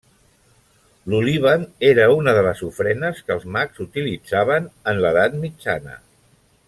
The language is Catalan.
L'olíban era una de les ofrenes que els mags utilitzaven en l'edat mitjana.